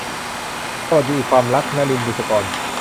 สวัสดีความรัก - นลิน บุษกร